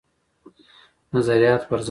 نظریات پر ضد وه.